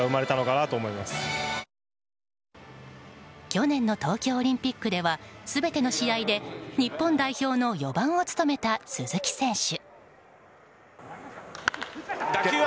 去年の東京オリンピックでは全ての試合で日本代表の４番を務めた鈴木選手。